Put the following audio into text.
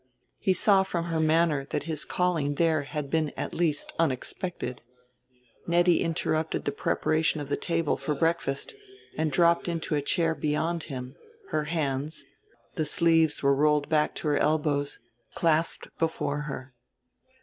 He saw from her manner that his calling there had been at least unexpected. Nettie interrupted the preparation of the table for breakfast, and dropped into a chair beyond him, her hands the sleeves were rolled back to her elbows clasped before her.